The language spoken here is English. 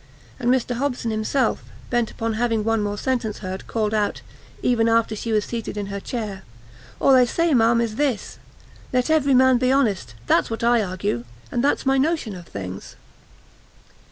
And Mr Hobson himself, bent upon having one more sentence heard, called out, even after she was seated in her chair, "All I say, ma'am, is this; let every man be honest; that's what I argue, and that's my notion of things."